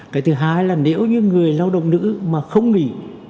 cái thứ hai là nếu như người lao động nữ mà không nghỉ